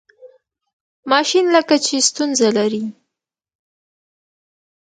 ماشین لکه چې ستونزه لري.